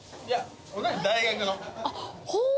同じ大学の。